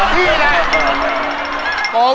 พี่โรย